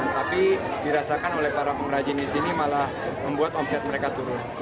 tapi dirasakan oleh para pengrajin di sini malah membuat omset mereka turun